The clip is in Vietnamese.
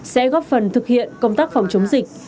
sẽ góp phần thực hiện công tác phòng chống dịch